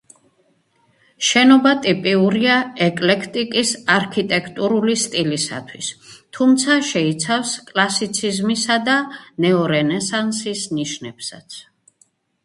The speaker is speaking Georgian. შენობა ტიპიურია ეკლექტიკის არქიტექტურული სტილისთვის, თუმცა შეიცავს კლასიციზმისა და ნეორენესანსის ნიშნებსაც.